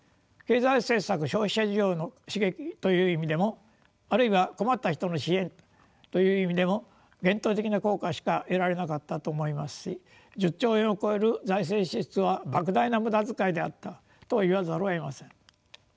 経済政策消費者需要の刺激という意味でもあるいは困った人の支援という意味でも限定的な効果しか得られなかったと思いますし１０兆円を超える財政支出はばく大な無駄遣いであったと言わざるをえません。